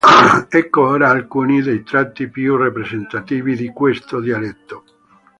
Ecco ora alcuni dei tratti più rappresentativi di questo dialetto.